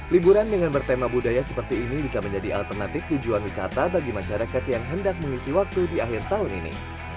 liburan dengan bertema budaya seperti ini bisa menjadi alternatif tujuan wisata bagi masyarakat yang hendak mengisi waktu di akhir tahun ini